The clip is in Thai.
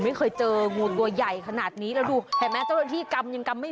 ไม่เคยเจองูตัวใหญ่ขนาดนี้แล้วดูเห็นไหมเจ้าหน้าที่กำยังกำไม่